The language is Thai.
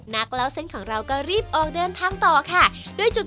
นักเล่าเส้นของเราก็รีบออกเดินทางต่อค่ะด้วยจุด